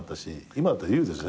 今だったら言うでしょ？